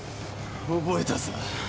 覚えたぞ。